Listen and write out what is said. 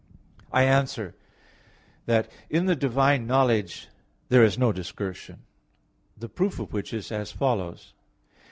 I answer that, In the divine knowledge there is no discursion; the proof of which is as follows.